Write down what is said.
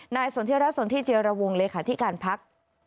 นายสนเที่ยวรัฐสนที่เจียรวงเลยค่ะที่การพลักษณ์